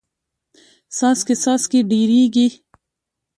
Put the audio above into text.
څاڅکې څاڅکې ډېریږي.